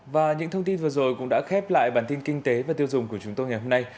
và những thông tin vừa rồi cũng đã khép lại bản tin kinh tế và tiêu dùng của chúng tôi ngày hôm nay